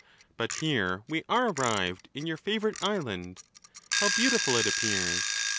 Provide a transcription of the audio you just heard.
But here we are arrived in your favourite island. How beautiful it appears!